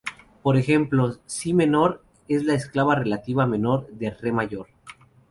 Por ejemplo: "si" menor es la escala relativa menor de "re" mayor.